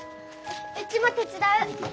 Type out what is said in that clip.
うちも手伝う。